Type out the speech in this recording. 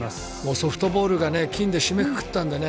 ソフトボールが金で締めくくったんでね。